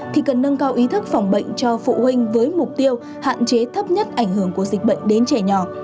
thì cần nâng cao ý thức phòng bệnh cho phụ huynh với mục tiêu hạn chế thấp nhất ảnh hưởng của dịch bệnh đến trẻ nhỏ